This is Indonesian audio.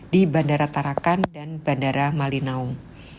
di bandara tarakan dan bandara malinaung